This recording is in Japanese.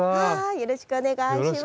よろしくお願いします。